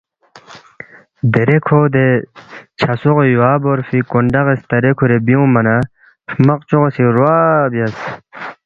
دیرے کھو دے چھہ سوغی یوا بورفی کونڈغی سترے کُھورے بیُونگما نہ ہرمق چوغی سی روا بیاس